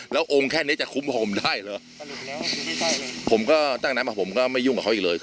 แล้วโอมแค่นี้จะคุมผมได้ผมก็ตั้งแต่ผมก็ไม่ยุ่งกับเค้า